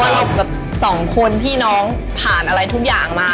เราแบบสองคนพี่น้องผ่านอะไรทุกอย่างมา